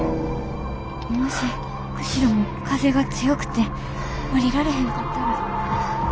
もし釧路も風が強くて降りられへんかったら。